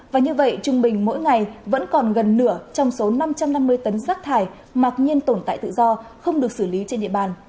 và như vậy trung bình mỗi ngày vẫn còn gần nửa trong số năm trăm năm mươi tấn rác thải mặc nhiên tồn tại tự do không được xử lý trên địa bàn